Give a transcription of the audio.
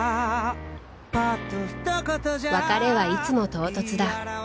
別れはいつも唐突だ